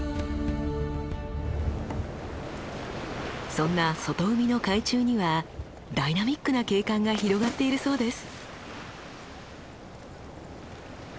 そんな外海の海中にはダイナミックな景観が広がっているそうです。